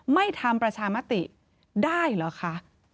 ไม่ทำประชามติได้เหรอคะ